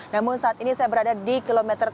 namun saat ini saya berada di kilometer tiga puluh